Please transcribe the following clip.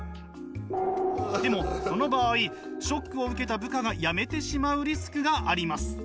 でもその場合ショックを受けた部下が辞めてしまうリスクがあります。